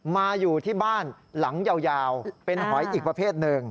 มาอยู่ที่บ้านหลังยาวเป็นหอยอีกประเภทหนึ่ง